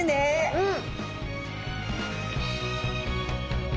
うん！